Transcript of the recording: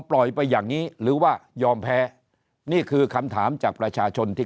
ปล่อยไปอย่างนี้หรือว่ายอมแพ้นี่คือคำถามจากประชาชนที่